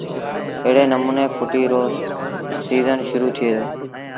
ايڙي نموٚني ڦُٽيٚ رو سيٚزن شرو ٿئي دو